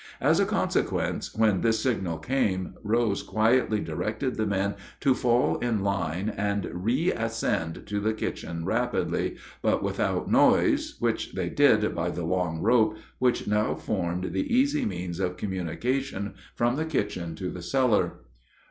As a consequence, when this signal came, Rose quietly directed the men to fall in line and reascend to the kitchen rapidly, but without noise, which they did by the long rope which now formed the easy means of communication from the kitchen to the cellar.